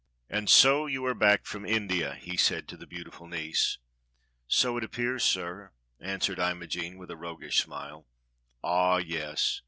"And so you are back from India.^" he said to the beautiful niece. "So it appears, sir," answered Imogene, with a roguish smile. "Ah, yes.